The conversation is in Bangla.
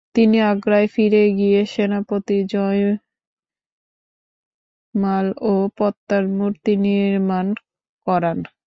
তিনি আগ্রায় ফিরে গিয়ে সেনাপতি জয়মাল ও পত্তার মুর্তি নির্মান করান।